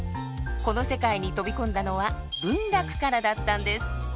この世界に飛び込んだのは文楽からだったんです。